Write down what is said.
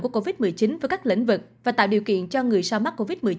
của covid một mươi chín với các lĩnh vực và tạo điều kiện cho người sau mắc covid một mươi chín